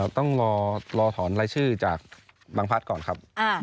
ต้องรอถอนรายชื่อจากบางพัฒน์ก่อนครับ